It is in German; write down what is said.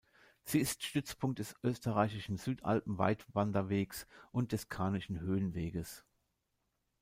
Sie ist Stützpunkt des österreichischen Südalpen-Weitwanderweges und des Karnischen Höhenweges.